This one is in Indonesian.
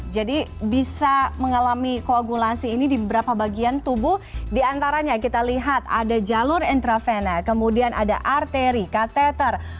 jadi bisa mengalami koagulasi ini di beberapa bagian tubuh di antaranya kita lihat ada jalur intravena kemudian ada arteri katheter papar